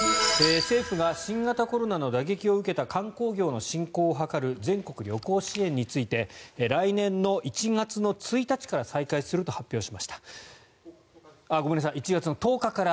政府が新型コロナの打撃を受けた観光業の振興を図る全国旅行支援について来年の１月１０日から再開すると発表しました。